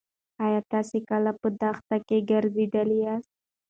ایا تاسې کله په دښته کې ګرځېدلي یاست؟